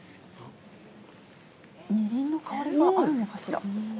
みりんの香りがあるのかしら。